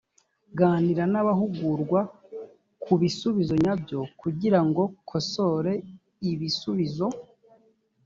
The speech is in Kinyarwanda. ganira n abahugurwa ku bisubizo nyabyo kugirango kosore ibisubizo